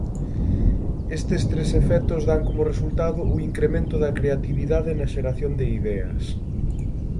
Estes tres efectos dan como resultado o incremento da creatividade na xeración de ideas.